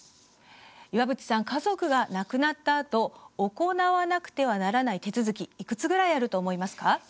岩渕さん、家族が亡くなったあと行わなくてはならない手続きいくつぐらいあると思いますか？